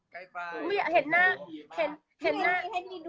ใกล้ไป